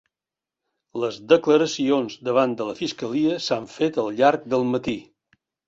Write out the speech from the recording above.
Les declaracions davant de la fiscalia s'han fet al llarg del matí